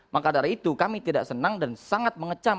maka dari itu kami tidak senang dan sangat mengecam